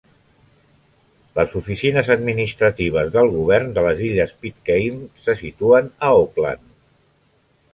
Les oficines administratives del govern de les illes Pitcairn se situen a Auckland.